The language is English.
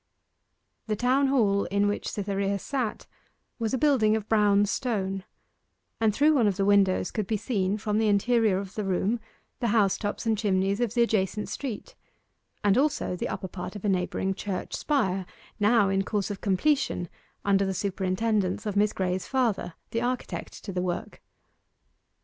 The Town Hall, in which Cytherea sat, was a building of brown stone, and through one of the windows could be seen from the interior of the room the housetops and chimneys of the adjacent street, and also the upper part of a neighbouring church spire, now in course of completion under the superintendence of Miss Graye's father, the architect to the work.